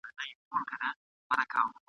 د نقاش په قلم جوړ وو سر ترنوکه !.